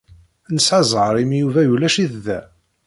Nesɛa zzheṛ imi Yuba ulac-it da.